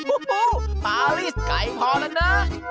โอ้โหปารีสไก่พอแล้วนะ